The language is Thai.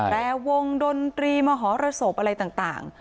แต่วงดนตรีมหรสบอะไรต่าง